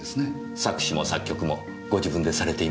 作詞も作曲もご自分でされていますね？